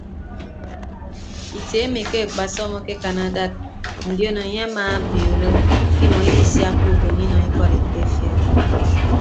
Itie emi ke akpasọm akekan adad ndion anie amabiooro ke imọ idisiakka ubon inọ ikọd etefia.